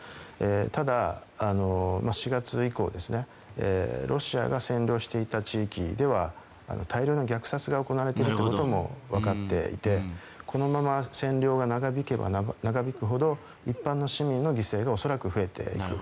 ただ、４月以降にロシアが占領していた地域では大量に虐殺が行われていたことも分かっていてこのまま占領が長引けば長引くほど一般の市民の犠牲が恐らく増えていく。